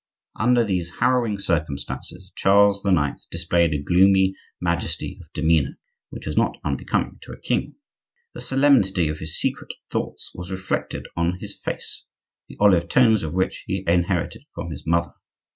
Under these harrowing circumstances, Charles IX. displayed a gloomy majesty of demeanor which was not unbecoming to a king. The solemnity of his secret thoughts was reflected on his face, the olive tones of which he inherited from his mother.